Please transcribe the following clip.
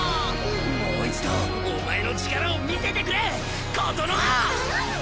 もう一度お前の力を見せてくれことのは！